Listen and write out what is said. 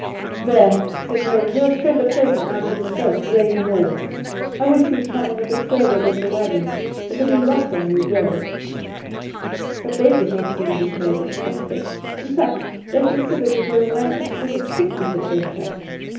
'' There !' said Heron, ' we'll spend a pleasant night in the veld, rain and all. I wish we'd come on a bit further with the waggons. It will be rough on you girls.' But they did not seem dismayed at the prospect; in fact, they considered it a romantic sort of picnic adventure.